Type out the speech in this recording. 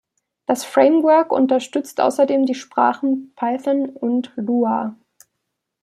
Das Framework unterstützt außerdem die Sprachen Python und Lua.